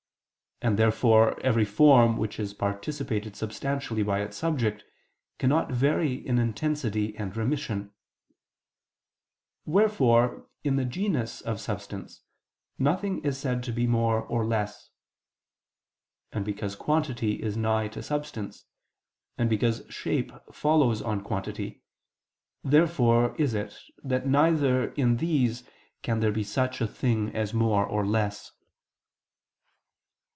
And therefore every form which is participated substantially by its subject, cannot vary in intensity and remission: wherefore in the genus of substance nothing is said to be more or less. And because quantity is nigh to substance, and because shape follows on quantity, therefore is it that neither in these can there be such a thing as more or less.